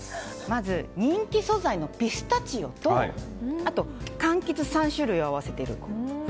まず、人気素材のピスタチオとかんきつ３種類を合わせてる。